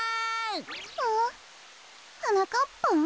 はなかっぱん？